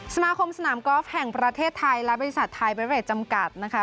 สมาคมสนามกอล์ฟแห่งประเทศไทยและบริษัทไทยเบเรทจำกัดนะคะ